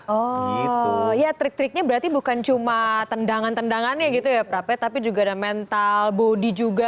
oh ya trik triknya berarti bukan cuma tendangan tendangannya gitu ya prape tapi juga ada mental bodi juga